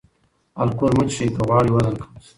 الکول مه څښئ که غواړئ وزن کم شي.